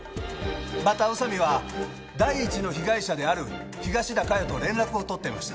また宇佐美は第１の被害者である東田加代と連絡を取っていました。